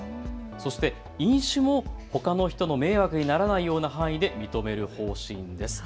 そして飲酒もほかの人の迷惑にならないような範囲で認める方針です。